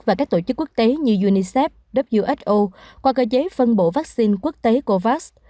và các tổ chức quốc tế như unicef who qua cơ chế phân bổ vaccine quốc tế covax